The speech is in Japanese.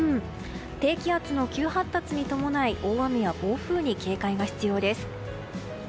低気圧の低発達に伴い大雨や暴風に警戒が必要です。